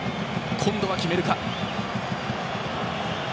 今度は決めるか。